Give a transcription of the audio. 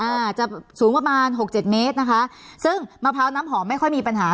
อาจจะสูงประมาณหกเจ็ดเมตรนะคะซึ่งมะพร้าวน้ำหอมไม่ค่อยมีปัญหา